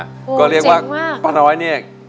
โอ้เจ๋งมากก็เรียกว่าป๊าร้อยเนี่ย